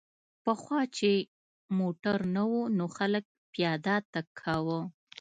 پخوا چې موټر نه و نو خلک پیاده تګ کاوه